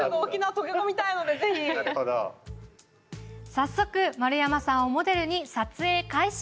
早速、丸山さんをモデルに撮影開始。